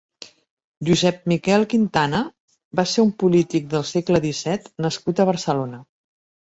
Josep Miquel Quintana va ser un polític del segle disset nascut a Barcelona.